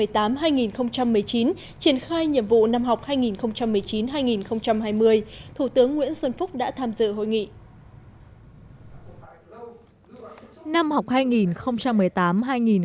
triển khai nhiệm vụ năm học hai nghìn một mươi chín hai nghìn hai mươi thủ tướng nguyễn xuân phúc đã tham dự hội nghị